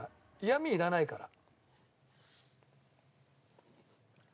嫌みいらないから。